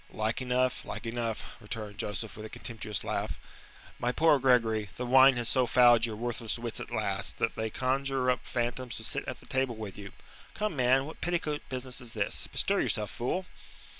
"Like enough, like enough," returned Joseph, with a contemptuous laugh. "My poor Gregory, the wine has so fouled your worthless wits at last, that they conjure up phantoms to sit at the table with you. Come, man, what petticoat business is this? Bestir yourself, fool."